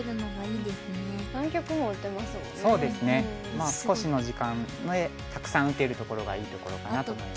まあ少しの時間でたくさん打てるところがいいところかなと思います。